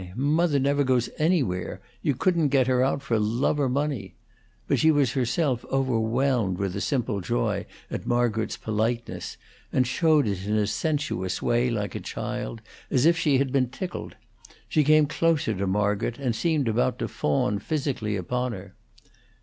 Mother never goes anywhere; you couldn't get her out for love or money." But she was herself overwhelmed with a simple joy at Margaret's politeness, and showed it in a sensuous way, like a child, as if she had been tickled. She came closer to Margaret and seemed about to fawn physically upon her.